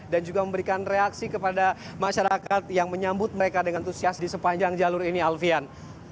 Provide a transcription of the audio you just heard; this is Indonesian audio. dan juga memberikan reaksi kepada masyarakat yang menyambut mereka dengan entusiasme di sepanjang jalur ini alfian